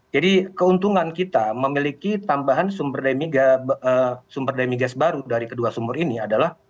jadi keuntungan kita memiliki tambahan sumber demikas baru dari kedua sumur ini adalah